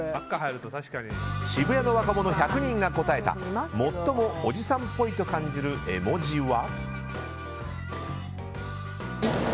渋谷の若者１００人が答えた最もおじさんっぽいと感じる絵文字は。